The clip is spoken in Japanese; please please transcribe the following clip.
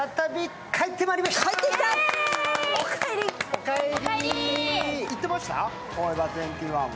お帰り。